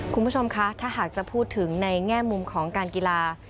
คุณผู้ชมคะถ้าหากจะพูดถึงในแง่มุมของการกีฬา